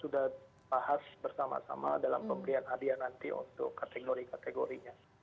sudah bahas bersama sama dalam pemberian hadiah nanti untuk kategori kategorinya